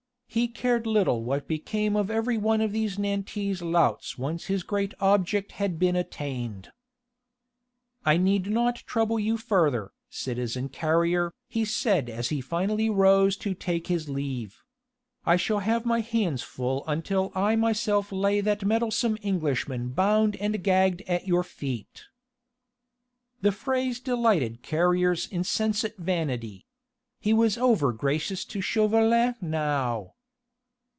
He cared little what became of every one of these Nantese louts once his great object had been attained. "I need not trouble you further, citizen Carrier," he said as he finally rose to take his leave. "I shall have my hands full until I myself lay that meddlesome Englishman bound and gagged at your feet." The phrase delighted Carrier's insensate vanity. He was overgracious to Chauvelin now.